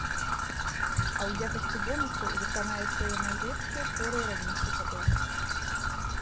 А ў якасці бонусу выканае свае найлепшыя творы ранейшых гадоў.